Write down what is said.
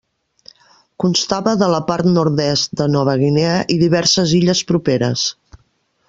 Constava de la part nord-est de Nova Guinea i diverses illes properes.